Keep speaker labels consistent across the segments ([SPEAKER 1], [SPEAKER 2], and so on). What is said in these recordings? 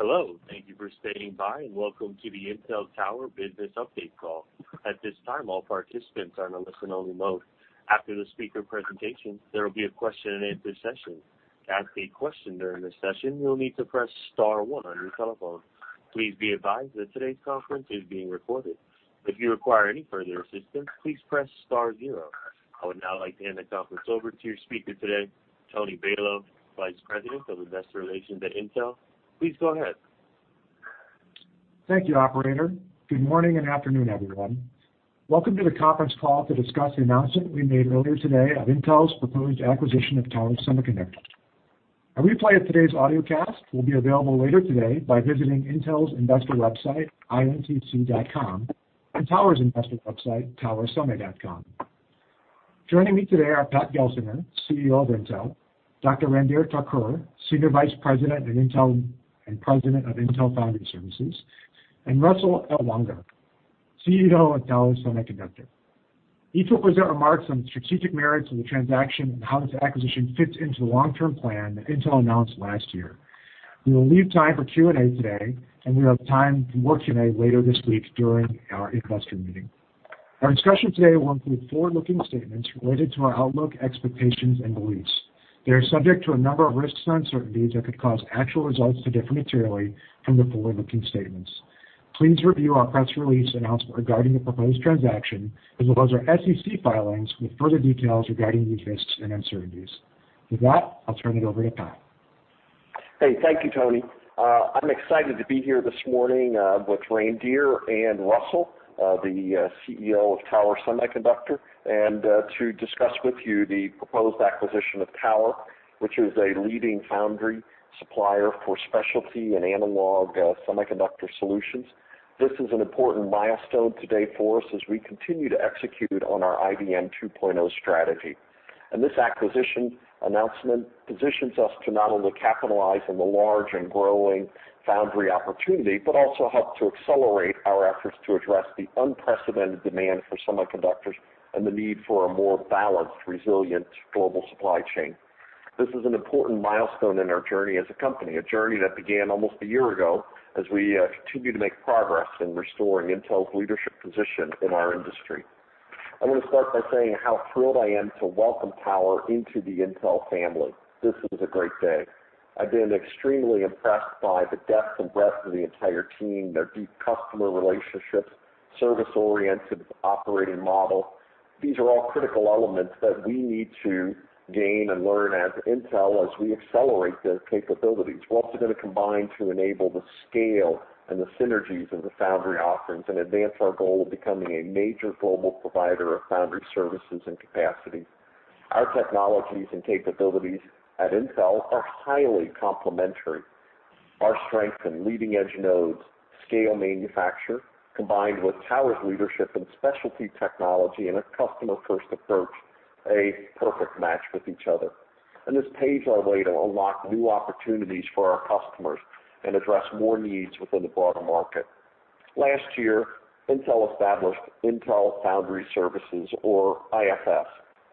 [SPEAKER 1] Hello, thank you for standing by and welcome to the Intel Tower Business Update Call. At this time, all participants are in a listen-only mode. After the speaker presentation, there will be a question-and-answer session. To ask a question during this session, you'll need to press star one on your telephone. Please be advised that today's conference is being recorded. If you require any further assistance, please press star zero. I would now like to hand the conference over to your speaker today, Tony Balow, Vice President of Investor Relations at Intel. Please go ahead.
[SPEAKER 2] Thank you, operator. Good morning and afternoon, everyone. Welcome to the conference call to discuss the announcement we made earlier today of Intel's proposed acquisition of Tower Semiconductor. A replay of today's audio cast will be available later today by visiting Intel's investor website, intc.com, and Tower's investor website, towersemi.com. Joining me today are Pat Gelsinger, CEO of Intel, Dr. Randhir Thakur, Senior Vice President at Intel and President of Intel Foundry Services, and Russell Ellwanger, CEO of Tower Semiconductor. Each will present remarks on the strategic merits of the transaction and how this acquisition fits into the long-term plan Intel announced last year. We will leave time for Q&A today, and we have time for more Q&A later this week during our investor meeting. Our discussion today will include forward-looking statements related to our outlook, expectations, and beliefs. They are subject to a number of risks and uncertainties that could cause actual results to differ materially from the forward-looking statements. Please review our press release announcement regarding the proposed transaction, as well as our SEC filings with further details regarding these risks and uncertainties. With that, I'll turn it over to Pat.
[SPEAKER 3] Hey, thank you, Tony. I'm excited to be here this morning with Randhir and Russell, the CEO of Tower Semiconductor, and to discuss with you the proposed acquisition of Tower, which is a leading foundry supplier for specialty and analog semiconductor solutions. This is an important milestone today for us as we continue to execute on our IDM 2.0 strategy. This acquisition announcement positions us to not only capitalize on the large and growing foundry opportunity, but also help to accelerate our efforts to address the unprecedented demand for semiconductors and the need for a more balanced, resilient global supply chain. This is an important milestone in our journey as a company, a journey that began almost a year ago as we continue to make progress in restoring Intel's leadership position in our industry. I want to start by saying how thrilled I am to welcome Tower into the Intel family. This is a great day. I've been extremely impressed by the depth and breadth of the entire team, their deep customer relationships, service-oriented operating model. These are all critical elements that we need to gain and learn at Intel as we accelerate their capabilities. We're also going to combine to enable the scale and the synergies of the foundry offerings and advance our goal of becoming a major global provider of foundry services and capacity. Our technologies and capabilities at Intel are highly complementary. Our strength in leading-edge nodes, scale manufacture, combined with Tower's leadership in specialty technology and a customer-first approach. A perfect match with each other. This paves our way to unlock new opportunities for our customers and address more needs within the broader market. Last year, Intel established Intel Foundry Services, or IFS,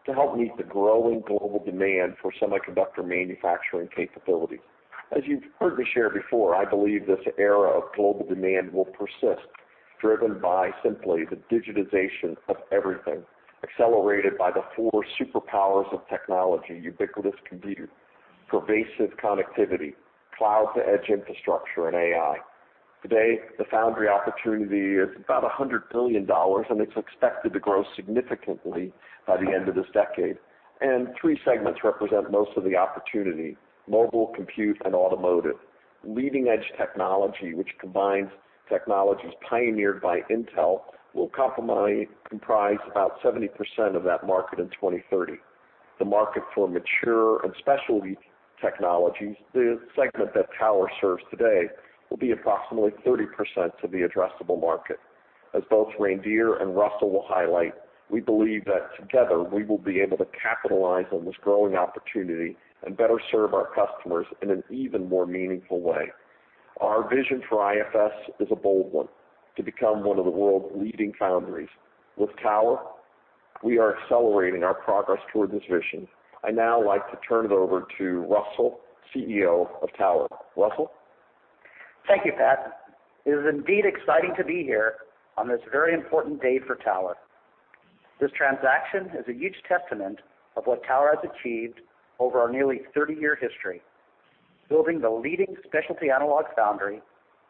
[SPEAKER 3] to help meet the growing global demand for semiconductor manufacturing capabilities. As you've heard me share before, I believe this era of global demand will persist, driven by simply the digitization of everything, accelerated by the four superpowers of technology, ubiquitous compute, pervasive connectivity, cloud-to-edge infrastructure, and AI. Today, the foundry opportunity is about $100 billion, and it's expected to grow significantly by the end of this decade. Three segments represent most of the opportunity: mobile, compute, and automotive. Leading-edge technology, which combines technologies pioneered by Intel, will comprise about 70% of that market in 2030. The market for mature and specialty technologies, the segment that Tower serves today, will be approximately 30% of the addressable market. As both Randhir and Russell will highlight, we believe that together we will be able to capitalize on this growing opportunity and better serve our customers in an even more meaningful way. Our vision for IFS is a bold one, to become one of the world's leading foundries. With Tower, we are accelerating our progress toward this vision. I'd now like to turn it over to Russell, CEO of Tower. Russell?
[SPEAKER 4] Thank you, Pat. It is indeed exciting to be here on this very important day for Tower. This transaction is a huge testament of what Tower has achieved over our nearly 30-year history, building the leading specialty analog foundry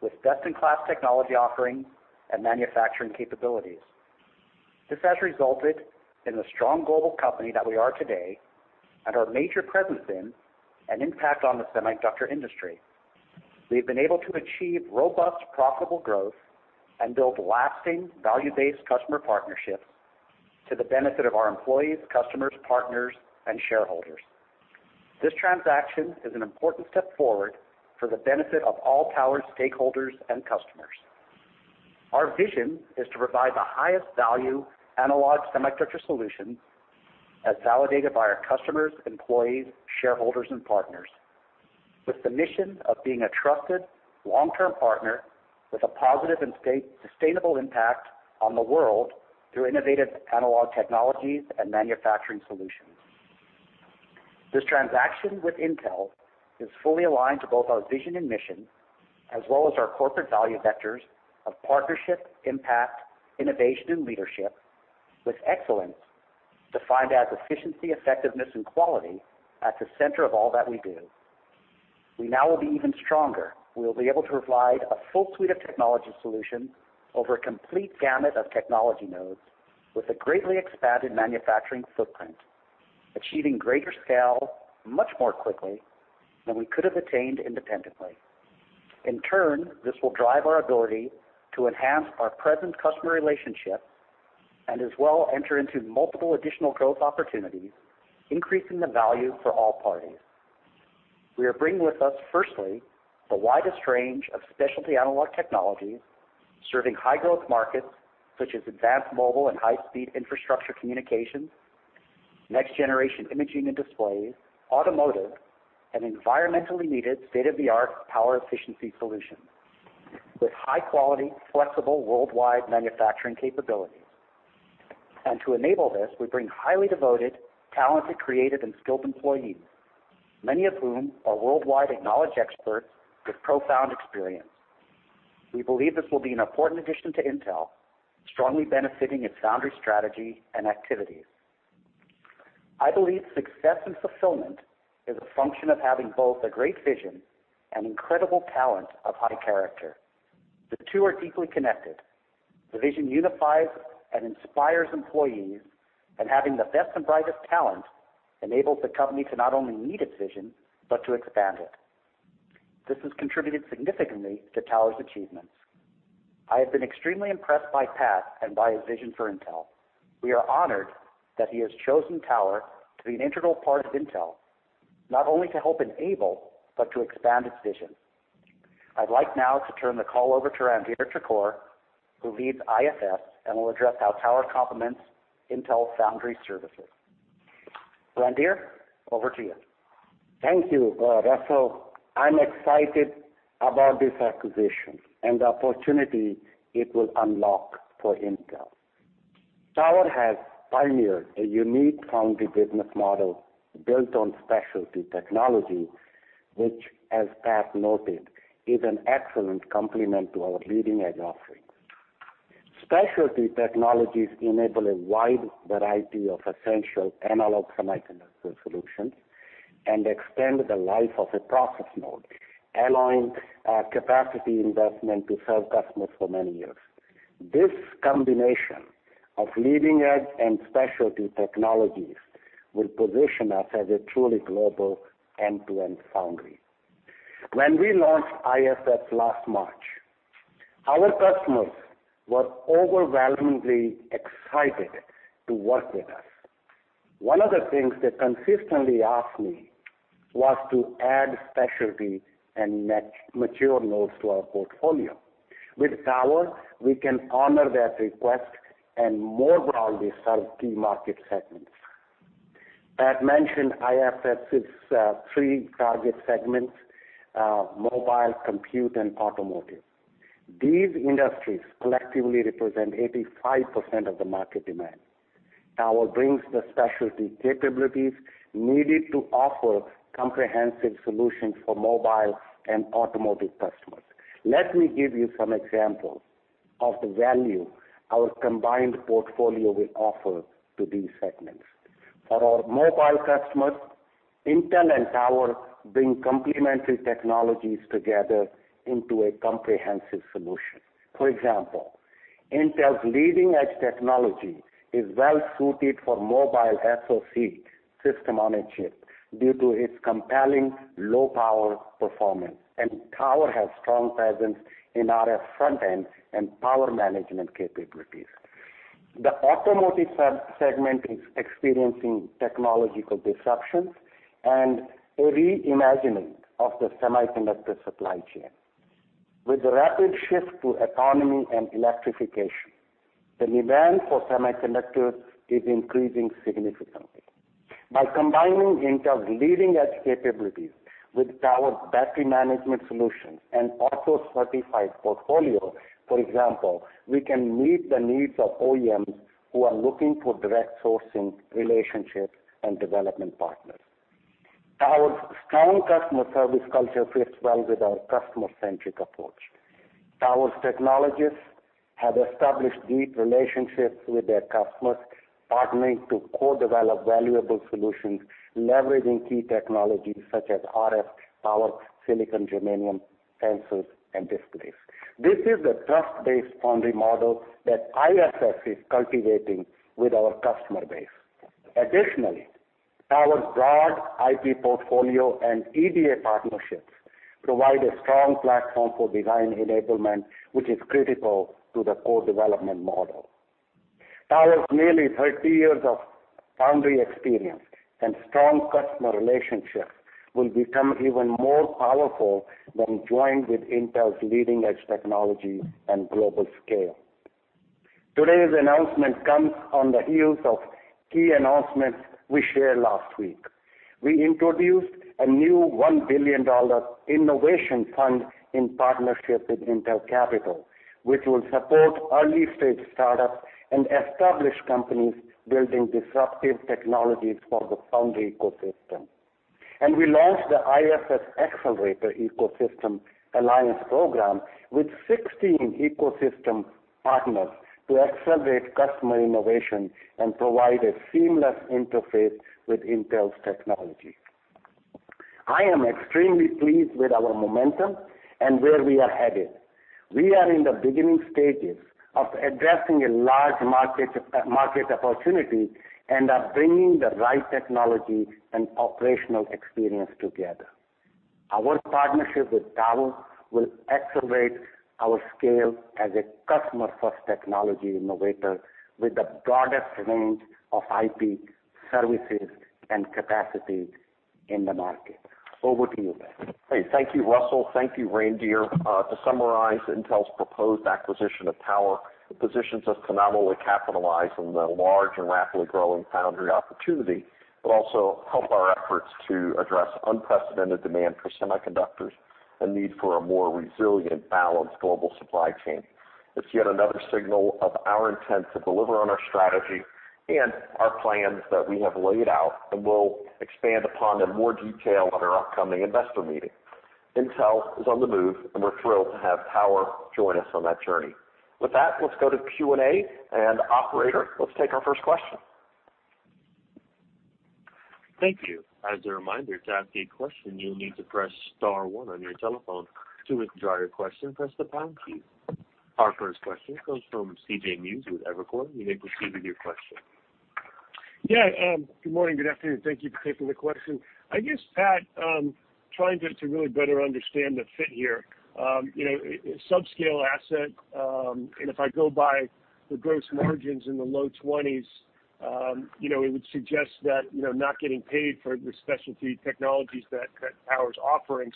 [SPEAKER 4] with best-in-class technology offerings and manufacturing capabilities. This has resulted in the strong global company that we are today and our major presence in and impact on the semiconductor industry. We've been able to achieve robust, profitable growth and build lasting value-based customer partnerships to the benefit of our employees, customers, partners, and shareholders. This transaction is an important step forward for the benefit of all Tower stakeholders and customers. Our vision is to provide the highest value analog semiconductor solutions as validated by our customers, employees, shareholders, and partners with the mission of being a trusted long-term partner with a positive and sustainable impact on the world through innovative analog technologies and manufacturing solutions. This transaction with Intel is fully aligned to both our vision and mission, as well as our corporate value vectors of partnership, impact, innovation and leadership with excellence defined as efficiency, effectiveness and quality at the center of all that we do. We now will be even stronger. We will be able to provide a full suite of technology solutions over a complete gamut of technology nodes with a greatly expanded manufacturing footprint, achieving greater scale much more quickly than we could have attained independently. In turn, this will drive our ability to enhance our present customer relationship and as well enter into multiple additional growth opportunities, increasing the value for all parties. We are bringing with us firstly the widest range of specialty analog technologies serving high-growth markets such as advanced mobile and high-speed infrastructure communications, next-generation imaging and displays, automotive and environmentally needed state-of-the-art power efficiency solutions with high quality, flexible worldwide manufacturing capabilities. To enable this, we bring highly devoted, talented, creative and skilled employees, many of whom are worldwide acknowledged experts with profound experience. We believe this will be an important addition to Intel, strongly benefiting its foundry strategy and activities. I believe success and fulfillment is a function of having both a great vision and incredible talent of high character. The two are deeply connected. The vision unifies and inspires employees and having the best and brightest talent enables the company to not only meet its vision, but to expand it. This has contributed significantly to Tower's achievements. I have been extremely impressed by Pat and by his vision for Intel. We are honored that he has chosen Tower to be an integral part of Intel, not only to help enable but to expand its vision. I'd like now to turn the call over to Randhir Thakur who leads IFS and will address how Tower complements Intel Foundry Services. Randhir, over to you.
[SPEAKER 5] Thank you, Russell. I'm excited about this acquisition and the opportunity it will unlock for Intel. Tower has pioneered a unique foundry business model built on specialty technology, which as Pat noted, is an excellent complement to our leading-edge offerings. Specialty technologies enable a wide variety of essential analog semiconductor solutions and extend the life of a process node, allowing capacity investment to serve customers for many years. This combination of leading-edge and specialty technologies will position us as a truly global end-to-end foundry. When we launched IFS last March, our customers were overwhelmingly excited to work with us. One of the things they consistently asked me was to add specialty and mature nodes to our portfolio. With Tower, we can honor that request and more broadly serve key market segments. Pat mentioned IFS's three target segments, mobile, compute and automotive. These industries collectively represent 85% of the market demand. Tower brings the specialty capabilities needed to offer comprehensive solutions for mobile and automotive customers. Let me give you some examples of the value our combined portfolio will offer to these segments. For our mobile customers, Intel and Tower bring complementary technologies together into a comprehensive solution. For example, Intel's leading-edge technology is well suited for mobile SoC system on a chip due to its compelling low power performance, and Tower has strong presence in RF front-end and power management capabilities. The automotive segment is experiencing technological disruptions and a reimagining of the semiconductor supply chain. With the rapid shift to autonomy and electrification, the demand for semiconductors is increasing significantly. By combining Intel's leading-edge capabilities with Tower's battery management solutions and auto-certified portfolio, for example, we can meet the needs of OEMs who are looking for direct sourcing relationships and development partners. Tower's strong customer service culture fits well with our customer-centric approach. Tower's technologists have established deep relationships with their customers, partnering to co-develop valuable solutions, leveraging key technologies such as RF, power, silicon, germanium, sensors and displays. This is the trust-based foundry model that IFS is cultivating with our customer base. Additionally, Tower's broad IP portfolio and EDA partnerships provide a strong platform for design enablement, which is critical to the co-development model. Tower's nearly 30 years of foundry experience and strong customer relationships will become even more powerful when joined with Intel's leading-edge technology and global scale. Today's announcement comes on the heels of key announcements we shared last week. We introduced a new $1 billion innovation fund in partnership with Intel Capital, which will support early-stage startups and established companies building disruptive technologies for the foundry ecosystem. We launched the IFS Accelerator Ecosystem Alliance program with 16 ecosystem partners to accelerate customer innovation and provide a seamless interface with Intel's technology. I am extremely pleased with our momentum and where we are headed. We are in the beginning stages of addressing a large market opportunity and are bringing the right technology and operational experience together. Our partnership with Tower will accelerate our scale as a customer-first technology innovator with the broadest range of IP services and capacity in the market. Over to you, Pat.
[SPEAKER 3] Hey, thank you, Russell. Thank you, Randhir. To summarize Intel's proposed acquisition of Tower, it positions us to not only capitalize on the large and rapidly growing foundry opportunity, but also help our efforts to address unprecedented demand for semiconductors and need for a more resilient, balanced global supply chain. It's yet another signal of our intent to deliver on our strategy and our plans that we have laid out, and we'll expand upon in more detail at our upcoming investor meeting. Intel is on the move, and we're thrilled to have Tower join us on that journey. With that, let's go to Q&A. Operator, let's take our first question.
[SPEAKER 1] Thank you. As a reminder, to ask a question, you'll need to press star one on your telephone. To withdraw your question, press the pound key. Our first question comes from C.J. Muse with Evercore. You may proceed with your question.
[SPEAKER 6] Yeah, good morning, good afternoon. Thank you for taking the question. I guess, Pat, trying to really better understand the fit here, you know, a subscale asset, and if I go by the gross margins in the low 20s%, you know, it would suggest that, you know, not getting paid for the specialty technologies that Tower's offering.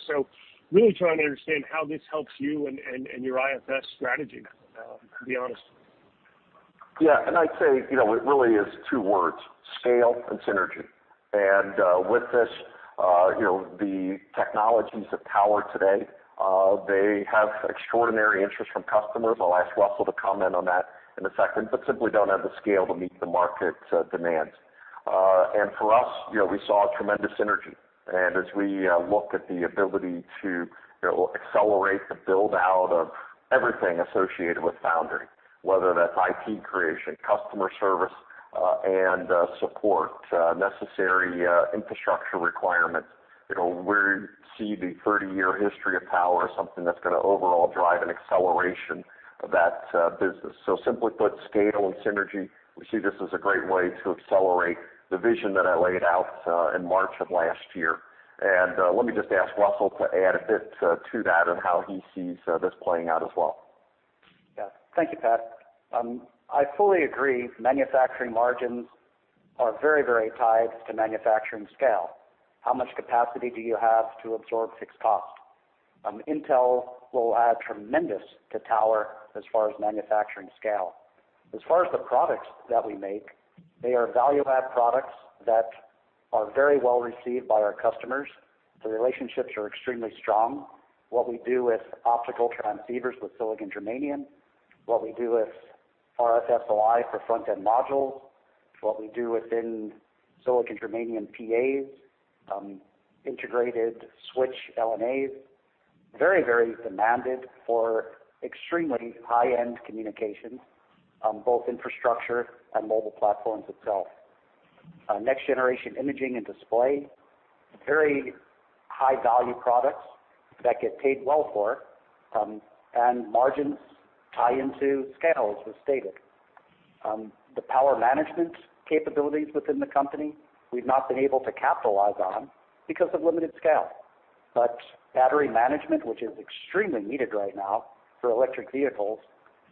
[SPEAKER 6] Really trying to understand how this helps you and your IFS strategy, to be honest.
[SPEAKER 3] Yeah. I'd say, you know, it really is two words, scale and synergy. With this, you know, the technologies of Tower today, they have extraordinary interest from customers. I'll ask Russell to comment on that in a second, but simply don't have the scale to meet the market's demands. For us, you know, we saw tremendous synergy. As we look at the ability to, you know, accelerate the build-out of everything associated with foundry, whether that's IP creation, customer service, and support, necessary infrastructure requirements, you know, we see the 30-year history of Tower as something that's gonna overall drive an acceleration of that business. Simply put, scale and synergy. We see this as a great way to accelerate the vision that I laid out in March of last year. Let me just ask Russell to add a bit to that on how he sees this playing out as well.
[SPEAKER 4] Yeah. Thank you, Pat. I fully agree. Manufacturing margins are very tied to manufacturing scale. How much capacity do you have to absorb fixed cost? Intel will add tremendous to Tower as far as manufacturing scale. As far as the products that we make, they are value-add products that are very well received by our customers. The relationships are extremely strong. What we do with optical transceivers with silicon germanium, what we do with RF SOI for front-end modules, what we do within silicon germanium PAs, integrated switch LNA, very demanded for extremely high-end communications on both infrastructure and mobile platforms itself. Next generation imaging and display, very high-value products that get paid well for, and margins tie into scale, as was stated. The power management capabilities within the company we've not been able to capitalize on because of limited scale. Battery management, which is extremely needed right now for electric vehicles,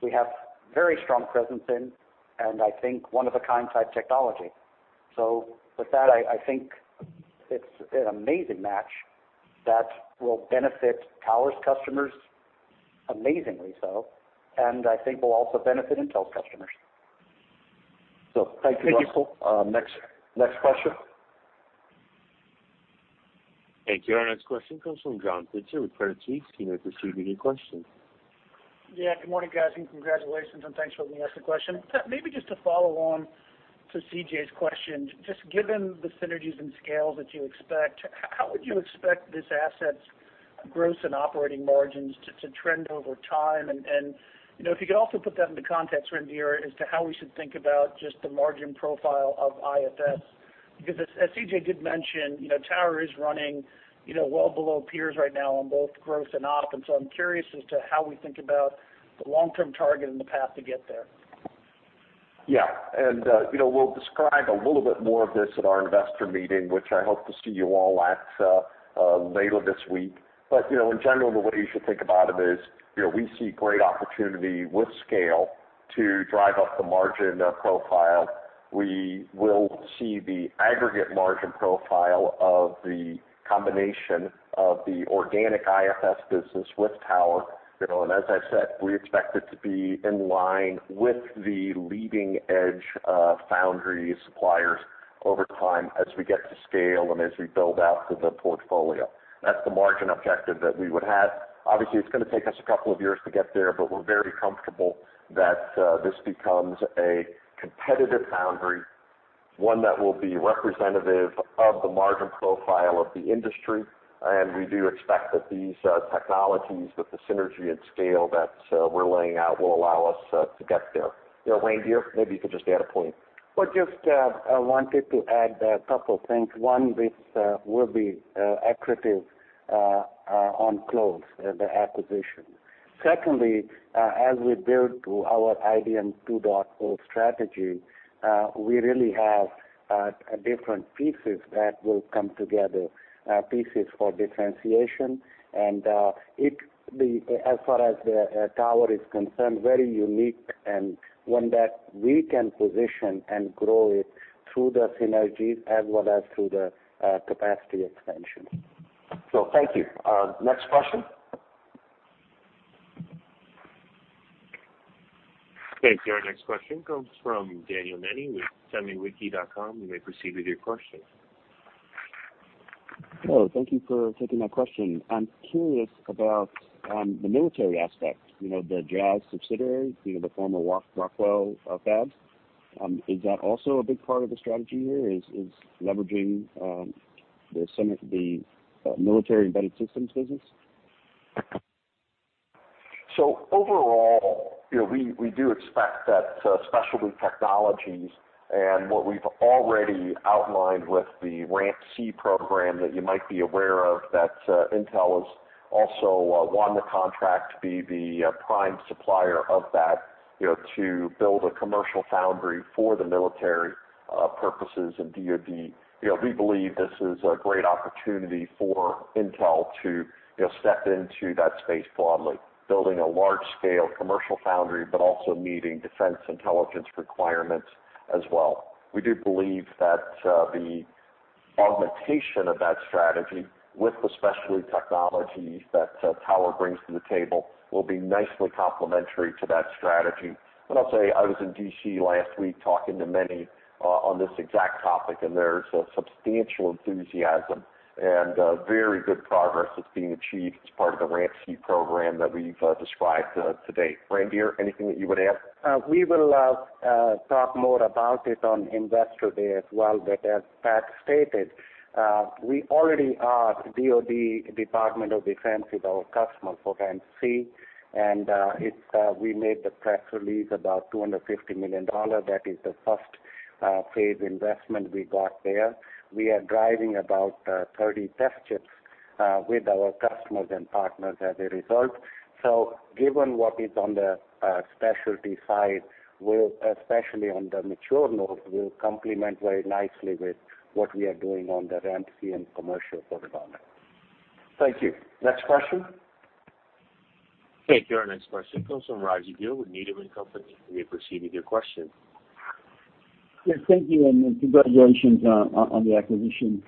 [SPEAKER 4] we have very strong presence in, and I think one of a kind type technology. With that, I think it's an amazing match that will benefit Tower's customers amazingly so, and I think will also benefit Intel's customers.
[SPEAKER 3] Thank you, Russ.
[SPEAKER 4] Thank you, Paul.
[SPEAKER 3] Next question.
[SPEAKER 1] Thank you. Our next question comes from John Pitzer with Credit Suisse. You may proceed with your question.
[SPEAKER 7] Yeah, good morning, guys, and congratulations, and thanks for letting me ask the question. Pat, maybe just to follow on to CJ's question. Just given the synergies and scales that you expect, how would you expect this asset's gross and operating margins to trend over time? You know, if you could also put that into context, Randhir, as to how we should think about just the margin profile of IFS. Because as CJ did mention, you know, Tower is running, you know, well below peers right now on both gross and op, and so I'm curious as to how we think about the long-term target and the path to get there.
[SPEAKER 3] Yeah, you know, we'll describe a little bit more of this at our investor meeting, which I hope to see you all at, later this week. You know, in general, the way you should think about it is. You know, we see great opportunity with scale to drive up the margin profile. We will see the aggregate margin profile of the combination of the organic IFS business with Tower. You know, and as I said, we expect it to be in line with the leading-edge foundry suppliers over time as we get to scale and as we build out the portfolio. That's the margin objective that we would have. Obviously, it's gonna take us a couple of years to get there, but we're very comfortable that this becomes a competitive foundry, one that will be representative of the margin profile of the industry, and we do expect that these technologies with the synergy and scale that we're laying out will allow us to get there. You know, Randhir, maybe you could just add a point.
[SPEAKER 5] Well, just, I wanted to add a couple of things. One, this will be accretive on close, the acquisition. Secondly, as we build to our IDM 2.0 strategy, we really have different pieces that will come together, pieces for differentiation. As far as Tower is concerned, very unique and one that we can position and grow it through the synergies as well as through the capacity expansion.
[SPEAKER 3] Thank you. Next question.
[SPEAKER 1] Thank you. Our next question comes from Daniel Nenni with semiwiki.com. You may proceed with your question.
[SPEAKER 8] Hello. Thank you for taking my question. I'm curious about the military aspect, you know, the Jazz subsidiary, you know, the former Rockwell fabs. Is that also a big part of the strategy here, leveraging some of the military embedded systems business?
[SPEAKER 3] Overall, you know, we do expect that specialty technologies and what we've already outlined with the RAMP-C program that you might be aware of, that Intel has also won the contract to be the prime supplier of that, you know, to build a commercial foundry for the military purposes and DoD. You know, we believe this is a great opportunity for Intel to, you know, step into that space broadly, building a large scale commercial foundry, but also meeting defense intelligence requirements as well. We do believe that the augmentation of that strategy with the specialty technologies that Tower brings to the table will be nicely complementary to that strategy. I'll say I was in D.C. last week talking to many on this exact topic, and there's a substantial enthusiasm and very good progress that's being achieved as part of the RAMP-C program that we've described today. Randhir, anything that you would add?
[SPEAKER 5] We will talk more about it on Investor Day as well. As Pat stated, we already are DoD, Department of Defense, is our customer for RAMP-C, and it's we made the press release about $250 million. That is the first phase investment we got there. We are driving about 30 test chips with our customers and partners as a result. Given what is on the specialty side, especially on the mature node, will complement very nicely with what we are doing on the RAMP-C and commercial portfolio.
[SPEAKER 3] Thank you. Next question.
[SPEAKER 1] Thank you. Our next question comes from Rajvindra Gill with Needham & Company. You may proceed with your question.
[SPEAKER 9] Yes, thank you, and congratulations on the acquisition.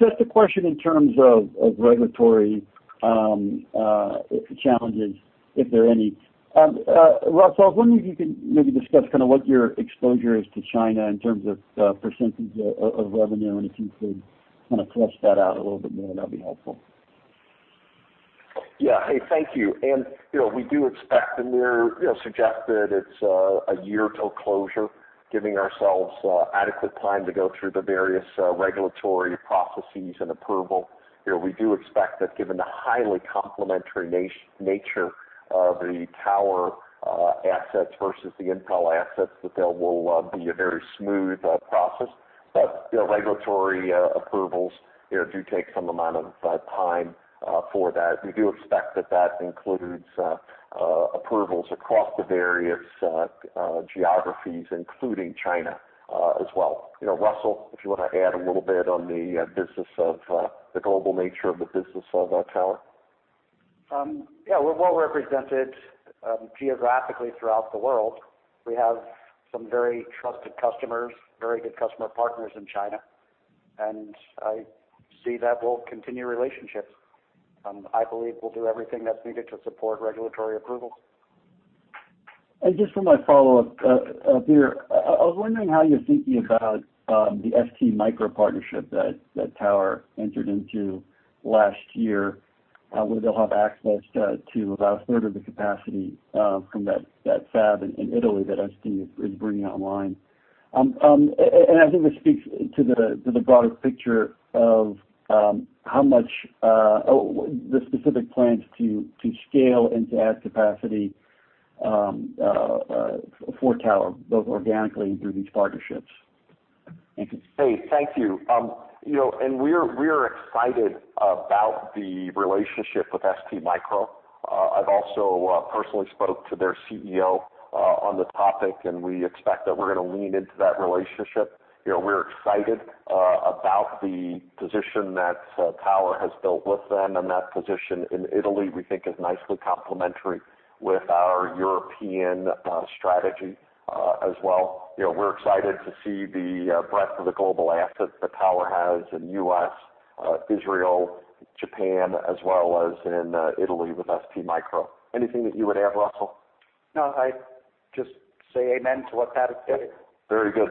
[SPEAKER 9] Just a question in terms of regulatory challenges, if there are any. Russell, I was wondering if you can maybe discuss kind of what your exposure is to China in terms of percentage of revenue, and if you could kind of flesh that out a little bit more, that'd be helpful.
[SPEAKER 3] Yeah. Hey, thank you. You know, we do expect, and we're suggesting that it's a year till closure, giving ourselves adequate time to go through the various regulatory processes and approval. You know, we do expect that given the highly complementary nature of the Tower assets versus the Intel assets, that there will be a very smooth process. You know, regulatory approvals do take some amount of time for that. We do expect that includes approvals across the various geographies, including China, as well. You know, Russell, if you wanna add a little bit on the business of the global nature of the business of Tower.
[SPEAKER 4] We're well represented geographically throughout the world. We have some very trusted customers, very good customer partners in China, and I see that will continue relationships. I believe we'll do everything that's needed to support regulatory approval.
[SPEAKER 9] Just for my follow-up, Randhir, I was wondering how you're thinking about the STMicroelectronics partnership that Tower entered into last year, where they'll have access to about a third of the capacity from that fab in Italy that STMicroelectronics is bringing online. I think this speaks to the broader picture of how much the specific plans to scale and to add capacity for Tower, both organically and through these partnerships.
[SPEAKER 3] Hey, thank you. You know, we're excited about the relationship with STMicroelectronics. I've also personally spoke to their CEO on the topic, and we expect that we're gonna lean into that relationship. You know, we're excited about the position that Tower has built with them, and that position in Italy, we think is nicely complementary with our European strategy as well. You know, we're excited to see the breadth of the global assets that Tower has in U.S., Israel, Japan, as well as in Italy with STMicroelectronics. Anything that you would add, Russell?
[SPEAKER 5] No, I just say amen to what Pat has said.
[SPEAKER 3] Very good.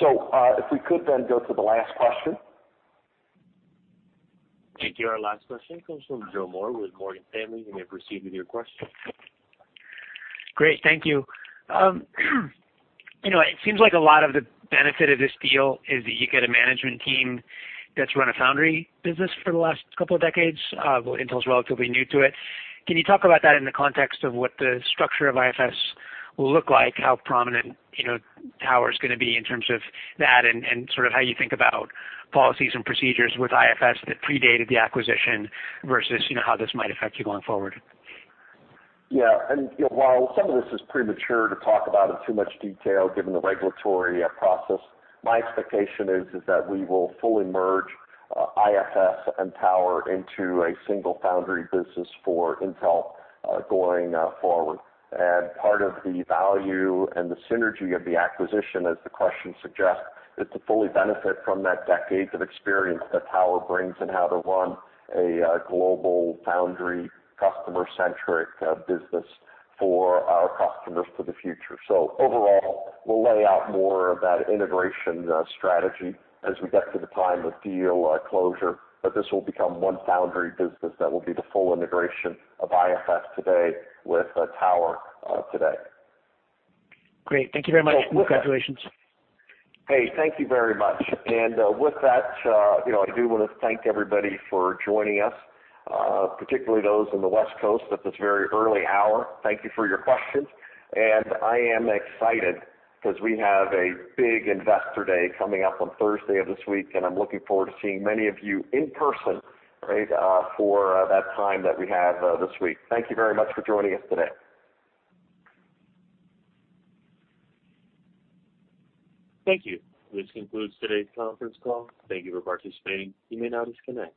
[SPEAKER 3] If we could then go to the last question.
[SPEAKER 1] Thank you. Our last question comes from Joseph Moore with Morgan Stanley. You may proceed with your question.
[SPEAKER 10] Great. Thank you. You know, it seems like a lot of the benefit of this deal is that you get a management team that's run a foundry business for the last couple of decades. Intel's relatively new to it. Can you talk about that in the context of what the structure of IFS will look like? How prominent, you know, Tower is gonna be in terms of that, and sort of how you think about policies and procedures with IFS that predated the acquisition versus, you know, how this might affect you going forward?
[SPEAKER 3] Yeah. You know, while some of this is premature to talk about in too much detail, given the regulatory process, my expectation is that we will fully merge IFS and Tower into a single foundry business for Intel going forward. Part of the value and the synergy of the acquisition, as the question suggests, is to fully benefit from that decades of experience that Tower brings in how to run a global foundry customer-centric business for our customers for the future. Overall, we'll lay out more of that integration strategy as we get to the time of deal closure, but this will become one foundry business that will be the full integration of IFS today with Tower today.
[SPEAKER 10] Great. Thank you very much.
[SPEAKER 3] With that.
[SPEAKER 10] Congratulations.
[SPEAKER 3] Hey, thank you very much. With that, you know, I do wanna thank everybody for joining us, particularly those on the West Coast at this very early hour. Thank you for your questions. I am excited 'cause we have a big investor day coming up on Thursday of this week, and I'm looking forward to seeing many of you in person, right, for that time that we have this week. Thank you very much for joining us today.
[SPEAKER 1] Thank you. This concludes today's conference call. Thank you for participating. You may now disconnect.